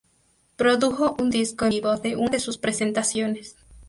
Produjo un disco en vivo de una de sus presentaciones.